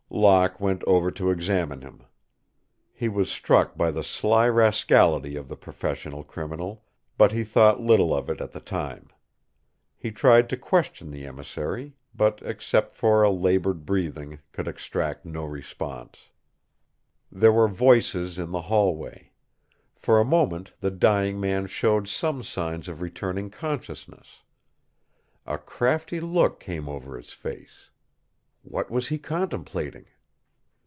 Locke went over to examine him. He was struck by the sly rascality of the professional criminal, but he thought little of it at the time. He tried to question the emissary, but, except for a labored breathing, could extract no response. There were voices in the hallway. For a moment the dying man showed some signs of returning consciousness. A crafty look came over his face. What was he contemplating?